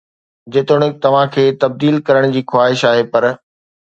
جيتوڻيڪ توهان کي تبديل ڪرڻ جي خواهش آهي، پر